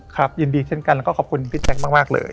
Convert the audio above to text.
ยินดีเช่นกันแล้วก็ขอบคุณพี่แจ๊คมากเลย